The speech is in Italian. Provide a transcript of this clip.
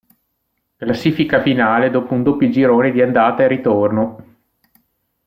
Classifica finale dopo un doppio girone di andata e ritorno.